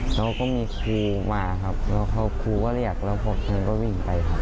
เขาก็มีครูมาครับแล้วครูก็เรียกแล้วพวกเธอก็วิ่งไปครับ